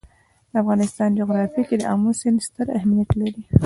د افغانستان جغرافیه کې آمو سیند ستر اهمیت لري.